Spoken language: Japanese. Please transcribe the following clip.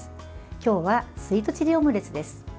今日はスイートチリオムレツです。